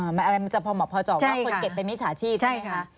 อ๋อหมายถึงมันจะพอหมอบพอเจาะว่าคนเก็บเป็นมิจฉาชีพใช่ไหมคะ